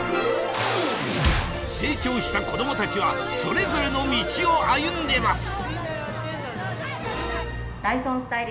成長した子供たちはそれぞれの道を歩んでます